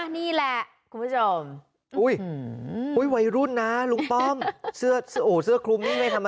นี่แหละคุณผู้ชม